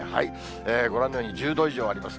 ご覧のように１０度以上あります。